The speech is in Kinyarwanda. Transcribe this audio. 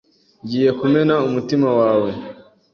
"Ngiye kumena umutima wawe